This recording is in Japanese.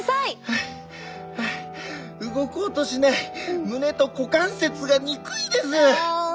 ハァハァ動こうとしない胸と股関節が憎いです！